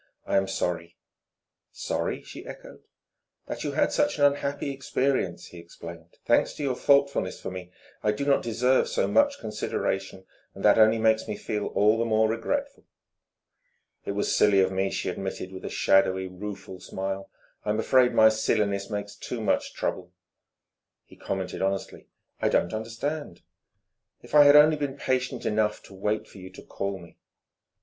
I am sorry." "Sorry?" she echoed. "That you had such an unhappy experience," he explained "thanks to your thoughtfulness for me. I do not deserve so much consideration; and that only makes me feel all the more regretful." "It was silly of me," she admitted with a shadowy, rueful smile. "I'm afraid my silliness makes too much trouble...." He commented honestly: "I don't understand." "If I had only been patient enough to wait for you to call me...."